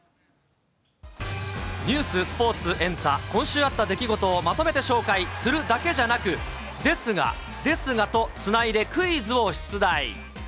ニュース、スポーツ、エンタ、今週あった出来事をまとめて紹介するだけじゃなく、ですが、ですがとつないでクイズを出題。